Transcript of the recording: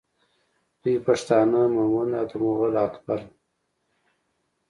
دوی پښتانه مومند او د مغول اکبر